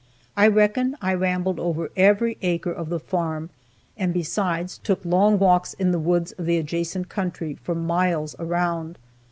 I reckon I rambled over every acre of the farm, and besides, took long walks in the woods of the adjacent country, for miles around.